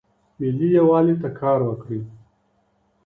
ملي یووالي ته کار وکړئ.